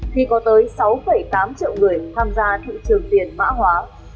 khi có tới sáu tám triệu người tham gia thị trường tiền mã hóa